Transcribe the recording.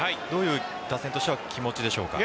打線としてはどういう気持ちでしょうか？